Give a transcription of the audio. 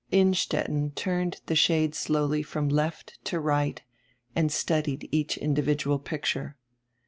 Innstetten turned die shade slowly from left to right and studied each individual picture.